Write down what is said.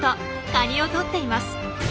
カニをとっています。